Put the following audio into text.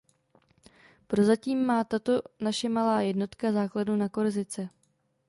Prozatím má tato naše malá jednotka základnu na Korsice.